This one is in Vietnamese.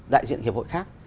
đại diện hiệp hội khác